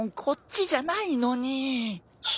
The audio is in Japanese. こっちじゃないのに！